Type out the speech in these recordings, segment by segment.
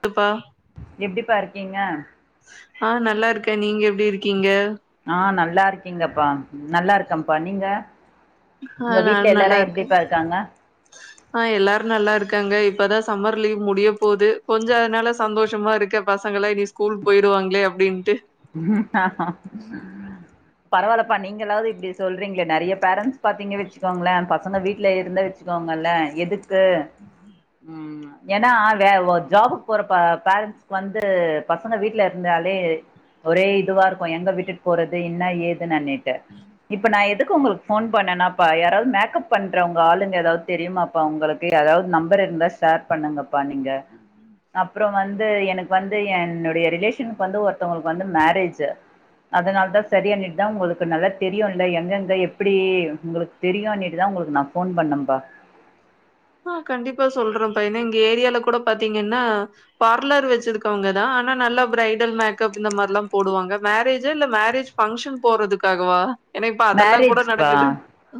ப்பா எப்டிப்பா இருக்கிங்க ஆ நல்லாருக்க நீங்க எப்டி இருக்கிங்க ஆ நல்லா இருக்கிங்கப்பா நல்லா ருக்கேப்பா நீங்க ஆ உங்க வீட்ல நானு எல்லாரு நல்லாருக்கே எப்டிப்பா இருக்காங்க ஆ எல்லாரு நல்லாருக் க்காங்க இப்பதா சம்மர் லீவு முடிய போது கொஞ்சோ அதனால சந்தோஷமாருக்கே பசங்களா இனி ஸ்கூல் போயிருவாங்ளே அப்டின்ட்டு பரவாலப்பா நீங்களாவ்து இப்டி சொல்றிங்ளே நெறய பேரண்ட்ஸ் பாத்திங்க வச்சிக்வாங்ள பசங்க வீட்ல இருந்த வச்சுக்வாங்க ல்ல எதுக்கு ம் எனா வே உ ஜாபுக்கு போற பேரண்ட்ஸ்க் வந்து பசங்க வீட்ல இர்ந்தாலே ஒரே இதுவா இருக்கும் எங்க விட்டுட் போறது இன்னா ஏதுன்னின்னிட்டு இப்ப நா எதுக்கு உங்ளுக்கு ஃபோன் பண் என்னப்பா யாராவ்து மேக்கப் பண்றவங்க ஆளுங்க எதாவ்த் தெரியுமாப்பா உங்களுக்கு எதாவ்து நம்பர் இர்ந்தா ஷேர் பண்ணுங் ங்கப்பா நீங்க அப்றோ வந்து எனக் வந்து என் என்னுடைய ரிலேஷனுக்கு வந்து ஒருத்தவ்ங்ளுக்கு வந்து மேரேஜ் அதனால தா செரிண்ணிட் தா உங்ளுக்கு நல்லா தெரியும்ல எங்கெங்க எப்டி உங்களுக் தெரியும்னிட்டு தா உங்களுக்கு நா ஃபோன் பண்ணம்பா ஆ கண்டிப்பா சொல்றோபா எனா எங் ஏரியால கூட பாத்திங்கன்னா பார்லர் வச்சிருக்கவங்கதா ஆனா நல்லா ப்ரரைடல் மேக்கப் இந்த மாற்ல்லா போடுவாங்க மேரேஜா இல்ல மேரேஜ் ஃபங்க்ஷன் போறதுக்காகவா ஏன்னா இப்ப அதெல்லா கூட மேரேஜ்ப் பா நடக்குது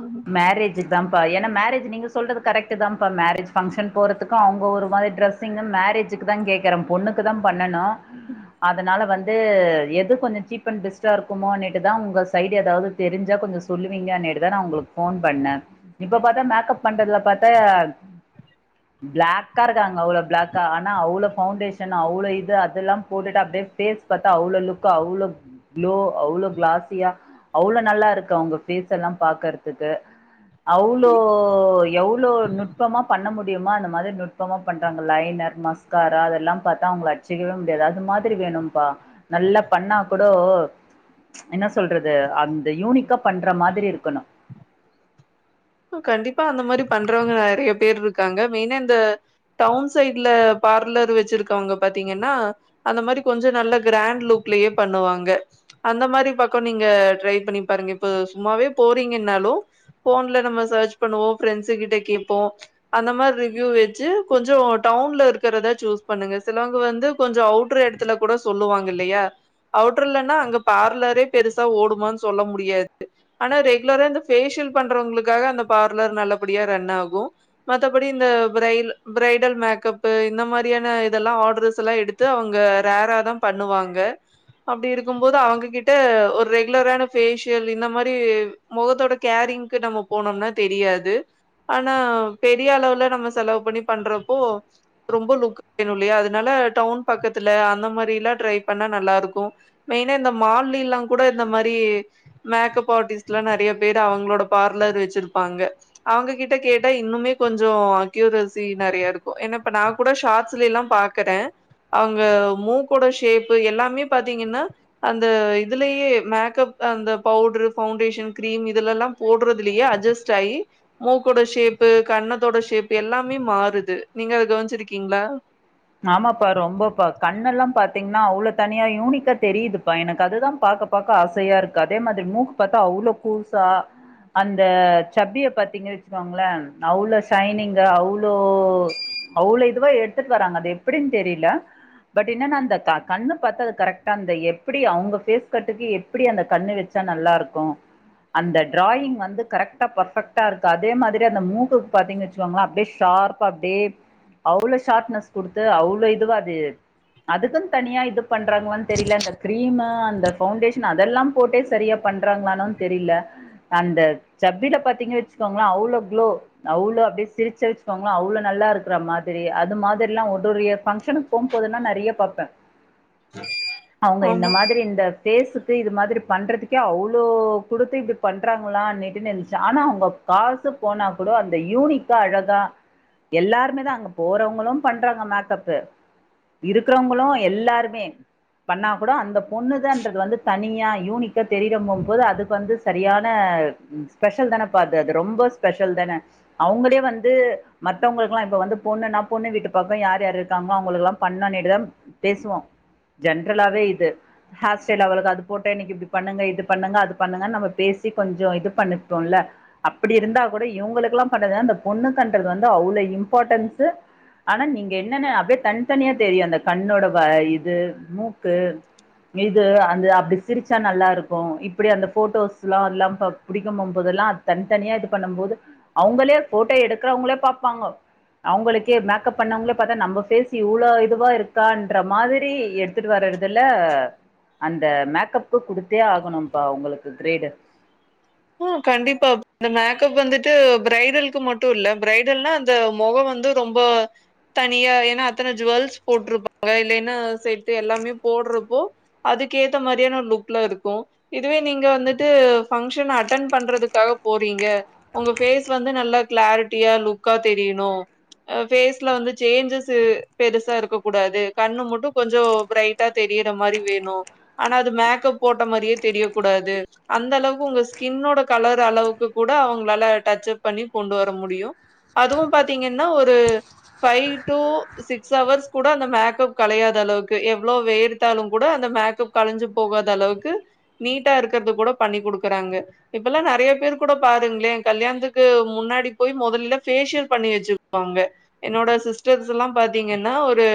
ம் மேரேஜிதான்ப்பா ஏனா மேரேஜி நீங்க சொல்றது கரெக்ட்டு தா பா மேரேஜ் ஃபங்ஷன் போறதுக்கூ அவ்ங்க ஒரு மாத்ரி ட்ரேஸ்ஸிங்ன் மேரேஜுக்கு தா கேக்ற பொண்ணு க்கு தா பண்ணனு அதனால வந்து எது கொஞ்சோ சீப் அண்ட் பெஸ்ட்டா ருக்குமோனிட்டுதா உங்க சைடு எதாவ்து தெரிஞ்சா கொஞ்ச சொல்லுவிங்கனிடு தா நா உங்ளுக் ஃபோன் பண்ண இப்ப பாத்தா மேக்கப் பண்றத்ல பாத்தா [inaudible] ப்ளாக்கா ருக்காங்க அவ்ளோ பிளாக்கா ஆனா அவ்ளோ ஃபவுண்டேஷன் அவ்ளோ இது அதெல்லாம் போட்டுட்டு அப்டே எ ஃபேஸ் பாத்தா அவ்ளோ லுக்கா அவ்ளோ க்ளோ அவ்ளோ க்ளாஸியா அவ்ளோ நல்லா ருக்கு அவ்ங்க ஃபேஸ் எல்லா பாக்கற்துக்கு அவ்ளோ எவ்ளோ நுட்பமா பண்ண முடிஞ் கியமா அந்த மாதிரி நுட்பமா பண்றாங்க லைனர் மஸ்க்காரா அதெல்லாம் பாத்தா அவுங்ள அட்ச்சிக்கவே முடியாது அது மாதிரி வே ணும்ப்பா நல்லா பண்ணா கூடோ என்ன சொல்றது அந்த யூனிக்கா பண்ற மாதிரி இருக்கணு கண்டிப்பா அந்த மாரி பண்றவங்க நறைய பேர் இருக்காங்க மெய்னா இந்த டவுன் சைட்ல பார்லர் வெச்சிருக்கவுங்க பாத்திங்கன்னா அந்த மாரி கொஞ்சோ நல்ல க்ராண் லு க்லியே பண்ணுவாங்க அந்த மாரி பக்கோ நீங்க ட்ரை பண்ணி பாருங்க இப்போ சும்மாவே போறிங்கன்னாலு ஃபோன் ல்ல நம்ப சேச் பண்ணுவோ ஃப்ரண்ட்ஸு கிட்ட கேப்போ அந்த மார் ரிவ்யூ வெச்சு கொஞ்சோ டவுன்ல இருக்கறதா சூஸ் பண்ணுங்க சிலவுங்க வந்து கொஞ்சோ அவுட்ரு எடத்துல கூட சொல்லுவாங்கில்லயா அவுட்ரலன்னா அங்க பார்லரே பெருசா ஓடுமான் சொல்ல முடியாது ஆனா ரெகுலரா இந்த ஃபேஷி யல் பண்றவங்ளுக் காக அந்த பார்லர் நல்லபடியா ரன் ஆகு மத்தபடி இந்த ப்ரெய்ல் ப்ரெய்டல் மேக்கப்பு இந்த மாரியான இதெல்லா ஆட்ரஸ் எல்லா எடுத்து அவுங்க ரேராதா பண்ணுவாங்க அப்டி இருக்கும் போது அவுங்ககிட்ட ஒர் ரெகுலரான பேஷியல் இந்த மாரி முகத்தோட கே ரிங்க் நம்ம போனம்னா தெரியாது ஆனா பெரிய அளவுல நம்ம செலவு பண்ணி பண்றப்போ ரொம்ப லுக் வேணு இல்லியா அதுனால அ டவுன் பக்கத்துல அந்த மாரி எல்லா ட்ரை பண்ணா நல்லா இருக்கு‌ மெயினா இந்த மால்லி எல்லாங் கூட இந்தம் மாரி மேக்கப் ஆர்டிஸ்ட்லா நறைய பேரு அவுங்ளோட பார் லர் வெச்சிருப்பாங்க அவுங்க கிட்ட கேட்ட இன்னுமே கொஞ்சோ அக்யூரசி நறையருக்கு என்ன ப நா கூட ஷாட்ஸ்ல எல்லாம் பாக்கறே அவுங்க மூக்கோட ஷேப்பு எல்லாமே பாத்தீங்கன்னா அந்த இதுலயே மேக்கப் அந்த பவுட்ரு ஃபவுண்டேஷன் கிரீம் இதுல எல்லாம் போட்ற திலியே அட்ஜஸ்ட் ஆயி மூக்கோட ஷேப்பு கன்னத்தோட ஷேப் எல்லாமே மாறுது நீங்க அத க வன்ச்சிருக்கீங்ளா ஆமாப்பா ரொம்பப்பா கண்ணெல்லாம் பாத்தீங்ன்னா அவ்ளோ தனியா யூனிக்கா தெரிதுப்பா எனக்கு அதுதா பா க்க பாக்க ஆசையாருக்கு அதே மாதிரி மூக்கு பாத்தா அவ்ளோ குவ்சா அந்த சப்பிய பாத்தீங்க வெச்சுக்கோங்ளே அவ்ளோ ஷைனிங்கா அவ்ளோ அவ்ளோ இதுவா எடுத்துட் வராங்க அது எப்பிடின் தெரில பட் என்னன்னா அந்த க கண்ணு பாத்தது கரெக்டா அந்த எப்பிடி அவுங்க ஃபேஸ் கட்டுக்கு எப்பிடி அந்த கண்ணு வெச் ச நல்லாருக்கு அந்த டிராயிங் வந்து கரெக்ட்டா பர்ஃபெக்ட்டா இருக்கு அதே மாதிரி அந்த மூக்குக் பாத்தீங்ன் வெச்சுக்கோங்ளே அப்டே ஷா ர்பா அப்டியே அவ்ளோ ஷார்ப்னஸ் குடுத்து அவ்ளோ இதுவா அது அதுக்குன் தனியா இது பண்றாங்ளான் தெரில அந்த கிரீமு அந்த ஃபவுண்டேஷன் அதெல்லாம் போட்டே செரியா ப பண்றாங்களானு தெரில அந்த சப்பில பாத்தீங்க வெச்சுக்கோங்ளே அவ்ளோ குளோ அவ்ளோ அப்டே சிரிச்சா வெச்சுக்கோங்ளோ அவ்ளோ நல்லாருக்கற மாதிரி அது மாதி ரில்லா [unintelligible] ஃபங்க்ஷனுக் போம் போதுன்னா நெறிய பாப்பே அவுங்க இந்த ஆமா மாதிரி இந்த ஃபேஸுக்கு இது மாதிரி பண்றதுக்கே அவ்ளோ குடுத்து இப்டி பண்றாங்களானிட்டு நெனச்சே ஆனா அவுங்க காசு போனா கூட அந்த யூனிக்கா அழகா எல்லாருமேதா அங்க போறவங்குளும் பண்றாங்க மேக்கப்பு இருக்கறவங்குளு எல்லாருமே பண்ணா கூட அந்த பொண்ணுதான்றது வந்து தனியா யூனிக்கா தெரிரம்பும்போது அதுக்கு வந்து சரியான அ ம் ஸ்பெஷல் தானப்பா அது அது ரொம்ப ஸ்பெஷல் தான அவுங்களே வந்து மத்தவங்களுக்லா ப்ப வந்து பொண்ணுணா பொண்ணு வீட்டு பக்கோ யார் யாரு இருக்காங்ளோ அவுங்களுக்லாம் பண்ணோண்ணிட்டுதா பேசுவோ ஜென்ரலாவே இது ஹேர்ஸ்டைல் அவளுக்கு அது போட்டே எனக்கு இப்டி பண்ணுங்க இது பண்ணுங்க அது பண்ணுங்கன் நம்ம பே சி கொஞ்சோ இது பண்ணிப்போல்ல அப்பிடி இருந்தா கூட இவுங்களுக்கெல்லா பணணத அந்த பொண்ணுக்கன்றது வந்து அவ் ள இம்பாட்டன்ஸு ஆனா நீங்க என்னனு அப்டே தனித்தனியா தெரியு அந்த கண்ணோட வ இது மூக்கு இது அந்த அப்டி சிரிச்சா நல்லாருக்கு இப்பிடி அந்த ஃபோட்டோஸ்ல்லா அல்லாம்ப புடிக்கம் போம்போது ல்லா தன்த்தனியா இது பண்ணம் போது அவுங்களே ஃபோட்டோ எடுக்கறவங்ளே பாப்பாங்கோ அவுங்களுக்கே மே மேக்கப் பண்ணவங்களே பாத்தா நம்ம பேஸ் இவ்வளவு இதுவா இருக்கான்ன்ற மாதிரி எடுத்துட்டு வர்றதுல அந்த மேக்கப்பு குடுத்தே ஆகணும்ப்பா உங்களுக்கு கிரேடு கண்டிப்பா இந்த மேக்கப் வந்துட்டு பிரரைடலுக்கு மட்டும் இல்ல பிரைடல்னா அந்த முகம் வந்து ரொம்ப தனியா ஏன்னா அத்தனை ஜுவல்ஸ் போட்ருப்பாங்க இல்ல என்ன சேட்டு எல்லாமே போடுறப்போ அதுக்கு ஏத்த மாதிரியான லுக்ல இருக்கும் இதுவே நீங்க வந்துட்டு ஃபங்க்ஷன் அட்டன் பண்றதுக்காக போறீங்க உங்க பேஸ் வந்து நல்லா கிளாரிட்டியா லுக்கா தெரியணு பேஸ்ல வந்து சேஞ்சஸ் பெருசா இருக்க கூடாது கண்ணு மட்டும் கொஞ்சம் பிரரைட்டா தெரி தெரிற மாதிரி வேணும் ஆனா அது மேக்கப் போட்ட மாதிரி தெரியக்கூடாது அந்த அளவுக்கு உங்க ஸ்கின்னோட கலர் அளவுக்கு கூட அவங்களால டச் அப் பண்ணி கொண்டு வர முடியும் அதுவும் பாத்தீங்கன்னா ஒரு ஃபைவ் டூ சிக்ஸ் ஹவர்ஸ் கூட அந்த மேக்கப் கலையாது அளவுக்கு எவ்வளவு வேர்த்தாலும் கூட அந்த மேக்கப் கழஞ்சி போகாத அளவுக்கு நீட்டா இருக்கிறது கூட பண்ணி கொடுக்குறாங்க இப்பல்லா நறைய பேர் கூட பாருங்களேன் கல்யாணத்துக்கு முன்னாடி போய் முதல்ல பேஷியல் பண்ணி வச்சு பாங்க என்னோட சிஸ்டர்ஸ் ல்லாம் பாத்தீங்கன்னா ஒரு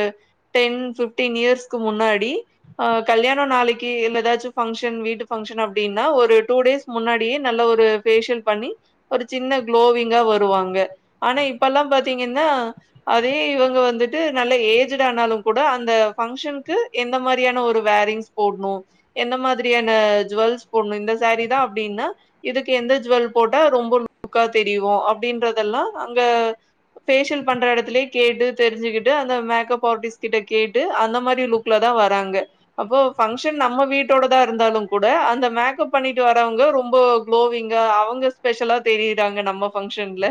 டென் ஃபிப்ட்டீன் இயர்ஸ்க்கு முன்னாடி டி ஆ கல்யாணம் நாளைக்கு இல்ல எதாச்சும் ஃபங்ஷன் வீட்டு பங்க்ஷன் அப்டின்னா ஒரு டூ டேஸ் முன்னாடியே நல்ல ஒரு ஃபேஷியல் பண்ணி ஒரு சின்ன குளோவிங்கா வருவாங்க ஆனா இப்பல்லாம் பாத்தீங்கன்னா அதே இவங்க வந்துட்டு நல்ல ஏஜ்டு ஆனாலும் கூட அந்த ஃபங்ஷன்க்கு எந்த மாரியான ஒரு வேரிங்ஸ் போட்ணும் எந்த மாதிரியான ஜுவல்ஸ் போட்ணும் இந்த சேரி தான் அப்டின்னா இதுக்கு எந்த ஜுவெல் போட்டா ரொம்ப லுக்கா தெரிவோம் அப்டின்றதெல்லா அங்க ஃபேஷியல் பண்ற எடத்துலயே கேட்டு தெரிஞ்சுக்கிட்டு அந்த மேக்கப் ஆர்டிஸ்ட் கிட்ட கேட்டு அந்த மாரி லுக்ல தான் வராங்க அப்போ ஃபங்ஷன் நம்ம வீட்டோதா இருந்தாலும் கூட அந்த மேக்கப் பண்ணிட்டு வர்ர வங்க ரொம்ப குளோவிங்கா அவங்க ஸ்பெஷலா தெரியுறாங்க நம்ம ஃபங்ஷன்ல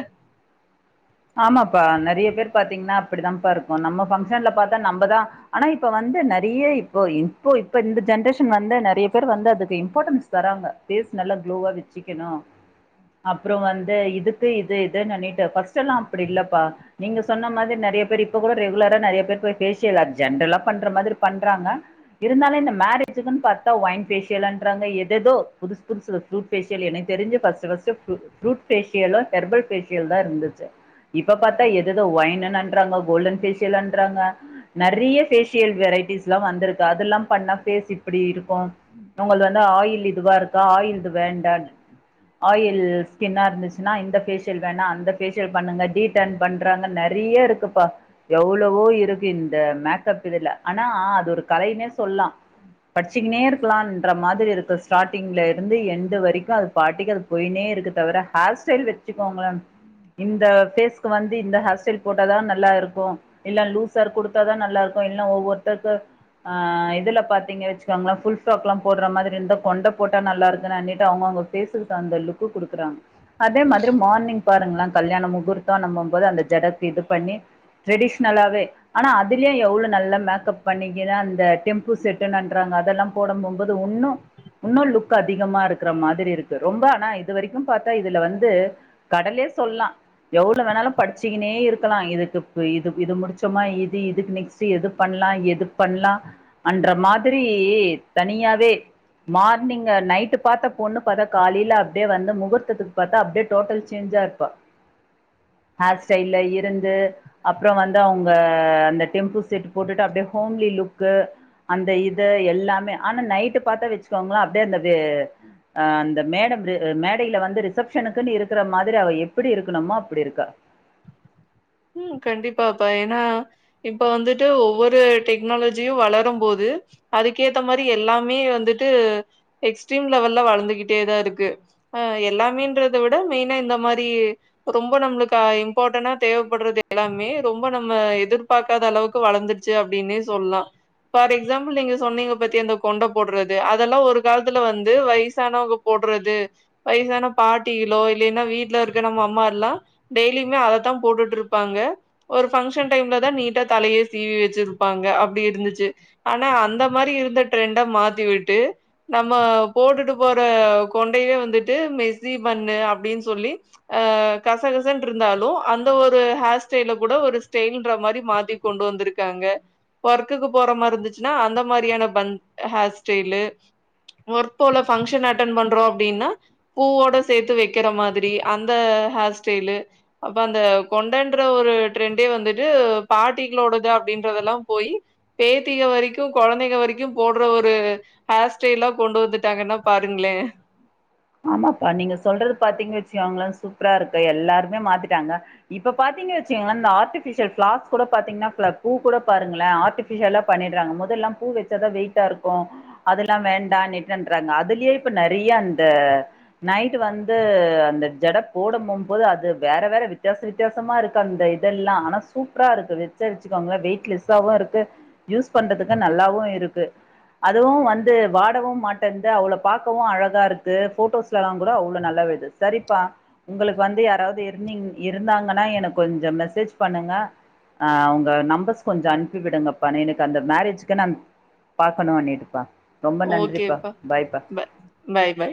ஆமாப்பா நெறைய பேர் பாத்தீங்ன்னா அப்டித்தான்ப்பா இருக்கும் நம்ம ஃபங்ஷன்ல பாத்தா நம்மதான் ஆனா இப்ப வந் ந்து நெறைய இப்போ இப்போ இப்ப இந்த ஜென்ரேஷன் வந்து நெறைய பேர் வந்து அதுக்கு இம்பாட்டன்ஸ் தராங்க ஃபேஸ் நல்ல குளோவா வெச்சிக்கணு அப்றோம் வந்து இதுக்கு இது இது ன்னிட்டு் ஃபர்ஸ்ட் ச்செல்லாம் அப்டி இல்லப்பா நீங்க சொன்ன மாதி நெறைய பேர் இப்ப கூட ரெகுலரா நெறைய பேர் போய் ஃபேஷியல் அ ஜென்ரலா பண் ன்ற மாதிரி பண்றாங்க இருந்தாலும் இந்த மேரேஜுக்குன்னு பாத்தா ஒய்ன் ஃபேஷியல் ன்றாங்க எதேதோ புது துசு ஒரு ஃப்ரூட் ஃபேஷியல் எனக்கு தெரிஞ்சி ஃபஸ்ட் ஃபஸ்ட்டு ஃப்ரூ ஃப்ரூட் ஃபேஷியலும் ஹெர்பல் ஃபேஷியலும் தான் இருந்துச்சு இப்ப பாத்தா எததோ ஒய்னனன்றாங்க கோல்டன் ஃபேஷியலன்றாங்க நெறைய ஃபேஷியல் வெரைட்டிஸ் லாம் வந்திருக்கு அதுல்லாம் பண்ணா ஃபேஸ் இப்படி இருக்கும் உங்கள்து வந்து ஆயில் இதுவா இருக்கா ஆயில்து வேண்டாண்டு ஆயில் ஸ்கின்னா இருந்துச்சுன்னா இந்த ஃபேஷியல் வேணா அந்த ஃபேஷ் ஷியல் பண்ணுங்க டீடன் பண்றாங்க நெறயா இருக்குப்பா எவ்ளவோ இருக்கு இந்த மேக்கப் இத துல ஆனா அது ஒரு கலைன்னே சொல்லா பட்ச்சிக்கினே ருக்லாம் ன்ற மாதிரி இருக்கு ஸ்டார்ட்டிங்ல இருந்து எண்டு வரைக்கு அது பார்ட்டிக்க போயினே இருக்கு தவுர ஹேர்ஸ்டைல் வச்சுக்கோங்கள இந்த ஃபேஸ்க்கு வந்து இந்த ஹேர் ஸ்டைல் போட்டாதான் நல்லாருக்கு இல்ல லூஸ் ஏர் குடுத்தாதான் நல்லாருக்கு இல் ல்னா ஒவ்வொருத்தர்க்கு ஆ இதுல பாத்தீங்க வச்சுக்கோங்களன் ஃபுல் ஃப்ராக்லாம் போட்ற மாதிரி இருந்தா கொண்ட போட்டா நல்லா இருக்குனு அன்னிட்டு அவங்கவுங்க ஃபேசுக்கு தகுந்த லுக்கு குடுக்குறாங்க அதே மாதிரி மார்னிங் பாருங்களன் கல்யாண முகூர்த்தம்ன்னம்பும் போது அந்த ஜடக்கு இது பண்ணி ட்ரெடிஷ்னலாவே ஆனா அதுலியும் எவ்ளோ நல்லா மேக்கப் பண்ணிக்கிற அந்த டெம்பூ செட்டனன்றாங் க அதெல்லாம் போடம் போம்போது வுன்னு உன்னும் லுக்கதிகமா இருக்கிற மாதிரி இருக்கு ரொம்ப ஆனா இது வரைக்கும் பாத்தா இதுல வந்து கடலேஸ் சொல்லா எவ்ளோ வேணாலு படிச்சிக்கினே இருக்கலா இதுக்குப்பு இது இது முடிச்சோமா இது இதுன்னு நெக்ஸ்ட் டு எதுப் பண்லாம் எதுப் பண்லாம் அன்ற மாதிரி தனியாவே மார்னிங்கு நைட்டு பாத்த பொண்ணு பாத்தா காலேல அப்டியே வந்து முகூர்த்தத்துக்கு பாத்தா அப்டியே டோட்டல் சேஞ்சா ருப் ப்பா ஹேர் ஸ்டைல்ல இருந்து அப்புறம் வந்து அவுங்க அந்த டெம்பூ செட் போட்டுட்டு அப்டியே ஹோம்லி லுக்கு அந்த இது எல்லாமே ஆனா நைட்டு பாத்தா வச்சுக்கோங்ளே அப்டியே அந்த வெ அந்த மேட ந்து அ மேடையில வந்து ரிசப்ஷனுக்குன்னு இருக்குற மாதிரி அவ எப் பிடி இருக்கணுமோ அப்பிடி இருக்கு ம் கண்டிப்பா இப்ப ஏன்னா இப்ப வந்துட்டு ஒவ்வொரு டெக்னாலஜியு வளரும் போது து அதுக்கேத்த மாரி எல்லாமே வந்துட்டு எக்ஸ்ட்ரீம் லெவல்ல வளந்துகிட்டேதா இருக்கு அ எல்லாமேன்றத விட மெய்னா இந்த மாரி ரொம்ப நம்மளுக்கு இம்பாட்டனா தேவப்பட்றது எல்லாமே ரொம்ப நம்ம எதிர்பாக்காத அளவுக்கு வளந்துருச்சு அப்டின்னே சொல்லா ஃபார் எக்ஸாம்பிள் நீங்க சொன்னீங்க பாத்தியா அந்த கொண்ட போட்றது அதல்லா ஒரு காலத்துல வந்து வய்சானவங்க போ போட்றது வய்சான பாட்டிகளோ இல்லீன்னா வீட்ல இருக்க நம்ம அம்மா எல்லா டெய்லியுமே அததா போட்டுட்ருப்பாங்க ஒரு ஃபங்ஷன் டைம்ல தா நீட்டா தலையே சீவி வச்சிருப்பாங்க அப்டி இருந்துச்சு ஆனா அந்த மாரி இருந்த ட்ரெண்ட மாத்தி விட்டு நம்ம போட்டுட்டு போற கொ கொண்டயவே வந்துட்டு மெஷி பன்னு அப்டின் சொல்லி அ கசகசன்ருந்தாலு அந் ந்த ஒரு ஹேர் ஸ்டைல கூட ஒரு ஸ்டெய்ல்ன்ற மாரி மாத்தி கொண்டு வந்துருக்காங்க வொர்க்குக்கு போற மாரி இருந்துச்சுன்னா அந்த மாரியான பண் ஹேர் ஸ்டைலு ஒர்க்போல பங்ஷன் அட்டன்ட் பண்றோ அப்டின்னா பூவோட சேத்து வக்கிற மாதிரி அந்த ஹேர் ஸ்டைலு அப்ப அந்த கொண்டேன்ற ஒரு ட்ரெண்டே வந்துட்டு பாட்டிகளோடது அப்டின்றதல்லா போய் பேத்திக வரைக்கு கொழந்தைக வரைக்கு போட்ற ஒரு ஹேர் ஸ்டைல்லா கொண்டு வந்துட்டாங்கன்னா பாருங்ளே [inaudible] ஆமாப்பா நீங்க சொல்றது பாத்தீங்க வச்சிகோங்களே சூப்பரா இருக்கு எல்லாருமே மாத்திட்டாங்க இப்ப பாத்தீங் க வச்சுகங்ளே இந்த ஆர்டிபீஷியல் பிளார்ஸ் கூட பாத்தீங்கன்னா ப்ள பூ கூட பாருங்களே ஆர்டிபீஸியல்லா பண்ணிட்றாங்க முதல் ல பூ வச்சாதா வெயிட்டா இருக்கு அதல்லா வேண்டா [unintelligible] ன்றாங்க அதுலயே இப்ப நெறைய அந்த நைட்டு வந்து அந்த ஜட போட மோம்போது அது வேற வேற வித்தியாச வித்தியாசம்மா இருக்கா அந்த இதெல்லா ஆனா சூப்பராருக்கு வெச்சன்னு வெச்சுக்கோங்ல வெயிட் லெஸ்சாவு இருக்கு யூஸ் பண்றதுக்கு நல் லாவு இருக்கு அதுவு வந்து வாடவு மாட்டேந்து அவள பாக்கவு அழகாருக்கு போட்டோஸ்லல்லா கூட அவ்ளோ நல்லா விழ்து சரிப்பா உங்களுக்கு வந்து யாராவ்து இருந்திங் இருந்தாங்கன்னா எனக் கொஞ்சோ மெசேஜ் பண்ணுங்க ஆ அவங்க நம்பர்ஸ் கொஞ்சோ அனுப்பி விடுங்கப்பா எனக்கு அந்த மேரேஜ்கு நான் பாக்கணு அண்ணிட்டுப்பா ரொம்ப நன்றிப்பா ஓகேப்பா பாய்ப்பா ப பாய் பாய்